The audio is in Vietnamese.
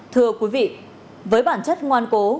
thưa quý vị với bản chất ngoan cố